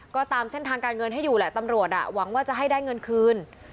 ก็ตามเส้นทางการเงินให้อยู่แหละตำรวจหวังว่าจะให้ได้เงินคืน